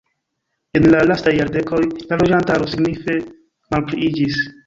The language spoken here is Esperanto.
En la lastaj jardekoj la loĝantaro signife malpliiĝis.